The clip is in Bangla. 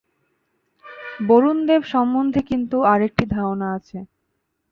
বরুণদেব সম্বন্ধে কিন্তু আর একটি ধারণা আছে।